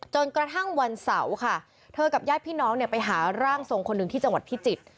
จนกระทั่งวันเสาร์ค่ะเธอกับญาติพี่น้องเนี่ยไปหาร่างทรงคนหนึ่งที่จังหวัดพิจิตร